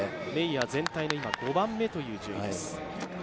今、全体の５番目という順位です。